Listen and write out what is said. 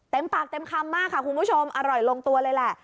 ปากเต็มคำมากค่ะคุณผู้ชมอร่อยลงตัวเลยแหละ